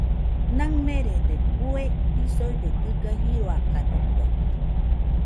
Naɨmerede bueisoide dɨga jiroakadɨkue.